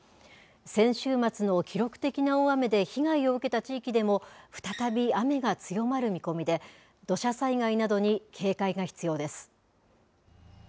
先週末の記録的な大雨で被害を受けた地域でも、再び雨が強まる見込みで、土砂災害などに警戒が必要です。